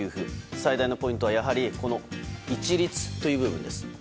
最大のポイントは一律という部分です。